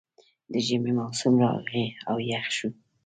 د ژمي موسم راغی او یخ شو